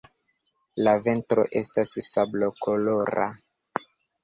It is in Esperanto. La ventro estas sablokolora.